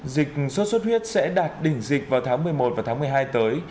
dịch sốt xuất huyết sẽ đạt đỉnh dịch vào tháng một mươi một và tháng một mươi hai tới